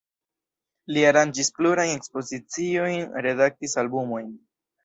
Li aranĝis plurajn ekspoziciojn, redaktis albumojn.